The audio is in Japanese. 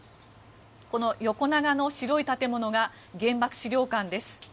この横長の白い建物が原爆資料館です。